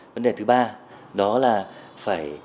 vấn đề thứ ba đó là phải